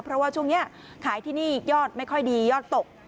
เพราะว่าช่วงนี้ขายที่นี่ยอดไม่ค่อยดียอดตก